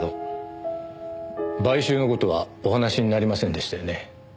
買収の事はお話しになりませんでしたよね。